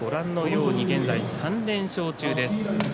現在３連勝中です。